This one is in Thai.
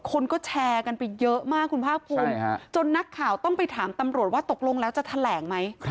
คนก็แชร์กันไปเยอะมากคุณภาคภูมิจนนักข่าวต้องไปถามตำรวจว่าตกลงแล้วจะแถลงไหม